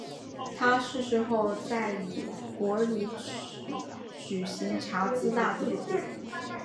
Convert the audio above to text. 他逝世后在以国礼举行荼毗大典。